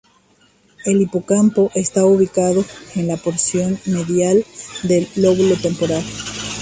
El hipocampo está ubicado en la porción medial del lóbulo temporal.